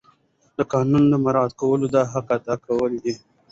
د قانون مراعات کول د حق ادا کول دي.